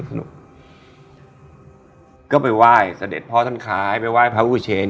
ลูกก็ไปไหว้เสด็จพ่อท่านคล้ายไปไหว้พระอุเชน